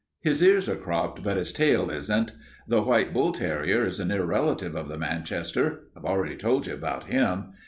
His ears are cropped but his tail isn't. The white bull terrier is a near relative of the Manchester. I've already told you about him.